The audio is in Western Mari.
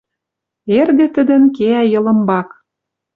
Эргӹ тӹдӹн кеӓ Йылымбак.